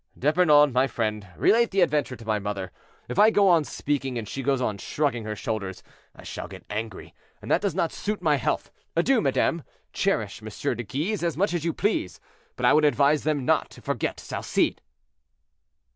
"D'Epernon, my friend, relate the adventure to my mother. If I go on speaking, and she goes on shrugging her shoulders, I shall get angry, and that does not suit my health. Adieu, madame; cherish M. de Guise as much as you please, but I would advise them not to forget Salcede."